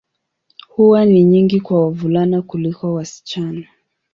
Huwa ni nyingi kwa wavulana kuliko wasichana.